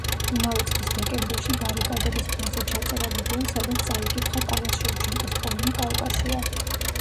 იმავე წლის დეკემბერში ბარიკადების ფონზე ჩაწერა ვიდეო, სადაც წაიკითხა ტარას შევჩენკოს პოემა „კავკასია“.